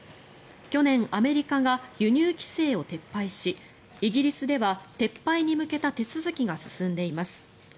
去年、アメリカが輸入規制を撤廃しイギリスでは撤廃に向けた手続きが進んでいます。